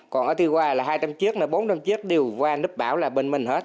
còn ở tuy hoa là hai trăm linh chiếc bốn trăm linh chiếc đều qua nấp bão là bên mình hết